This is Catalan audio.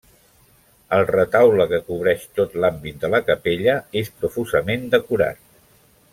El retaule, que cobreix tot l'àmbit de la capella, és profusament decorat.